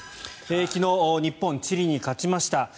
昨日、日本、チリに勝ちました。